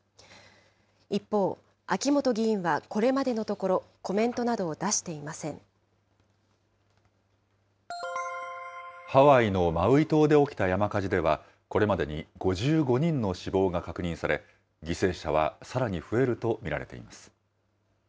一方、秋本議員はこれまでのところ、コメントなどを出していませハワイのマウイ島で起きた山火事では、これまでに５５人の死亡が確認され、犠牲者はさらに増えると見られています。